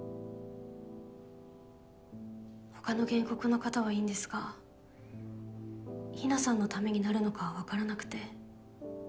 他の原告の方はいいんですが日奈さんのためになるのかは分からなくて。